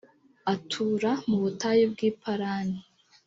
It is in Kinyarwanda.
atura mu butayu bw’i parani